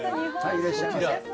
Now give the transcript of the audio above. いらっしゃいませ。